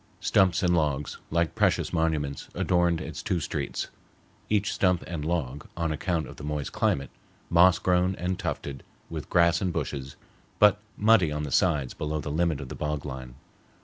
Stumps and logs, like precious monuments, adorned its two streets, each stump and log, on account of the moist climate, moss grown and tufted with grass and bushes, but muddy on the sides below the limit of the bog line.